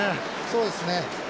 そうですね。